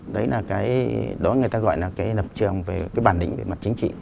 đấy là cái đó người ta gọi là cái lập trường về cái bản lĩnh về mặt chính trị